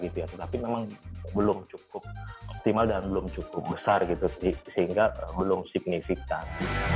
tetapi memang belum cukup optimal dan belum cukup besar sehingga belum signifikan